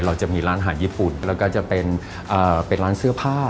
จะมีร้านอาหารญี่ปุ่นแล้วก็จะเป็นร้านเสื้อผ้า